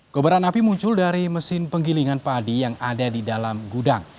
kobaran api muncul dari mesin penggilingan padi yang ada di dalam gudang